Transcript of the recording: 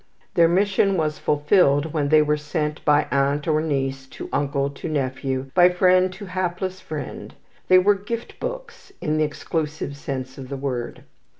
Their mission was fulfilled when they were sent by aunt to niece, by uncle to nephew, by friend to hapless friend. They were "gift books" in the exclusive sense of the word.